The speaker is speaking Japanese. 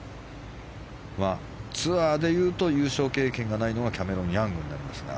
ツアーでいうと優勝経験がないのがキャメロン・ヤングなんですが。